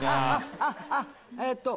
あっあっえっと